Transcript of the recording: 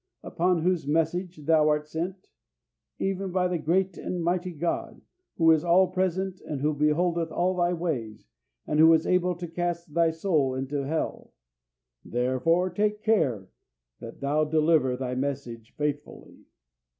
Upon whose message thou art sent? Even by the great and mighty God, who is all present, and who beholdeth all thy ways, and who is able to cast thy soul into Hell! Therefore, take care that thou deliver thy message faithfully.'"